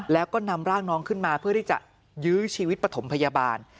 แล้วก็นำร่างน้องขึ้นมาเพื่อที่จะยื้อชีวิตปฐมพยาบาล